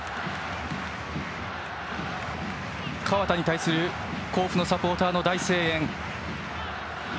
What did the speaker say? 河田に対する甲府のサポーターの大声援。